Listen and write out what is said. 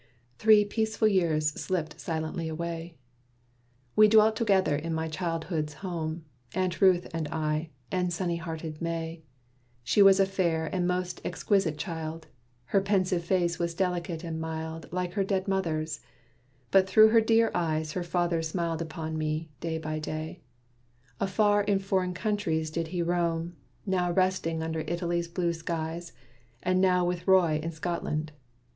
Three peaceful years slipped silently away. We dwelt together in my childhood's home, Aunt Ruth and I, and sunny hearted May. She was a fair and most exquisite child; Her pensive face was delicate and mild Like her dead mother's; but through her dear eyes Her father smiled upon me, day by day. Afar in foreign countries did he roam, Now resting under Italy's blue skies, And now with Roy in Scotland.